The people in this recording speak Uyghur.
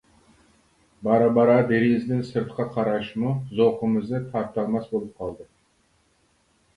بارا-بارا دېرىزىدىن سىرتقا قاراشمۇ زوقىمىزنى تارتالماس بولۇپ قالدى.